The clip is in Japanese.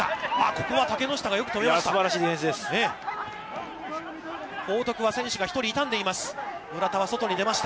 ここは竹之下がよく止めました。